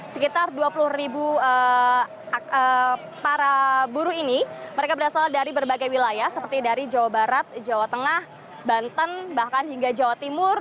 sekitar dua puluh ribu para buruh ini mereka berasal dari berbagai wilayah seperti dari jawa barat jawa tengah banten bahkan hingga jawa timur